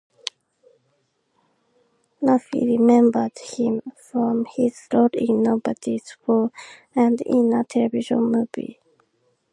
Murphy remembered him from his role in "Nobody's Fool" and in a television movie.